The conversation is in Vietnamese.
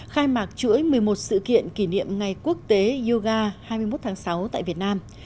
khai mạc chuỗi một mươi một sự kiện kỷ niệm ngày quốc tế yoga hai mươi một tháng sáu tại việt nam